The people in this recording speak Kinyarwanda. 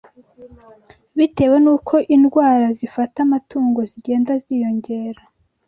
bitewe n’uko indwara zifata amatungo zigenda ziyongera